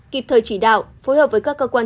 kịp thời chỉ đạo phối hợp với các cơ quan